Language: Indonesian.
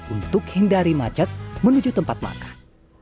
untuk hindari macet menuju tempat makan